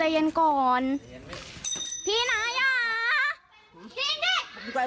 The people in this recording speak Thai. ฟาเป็นมา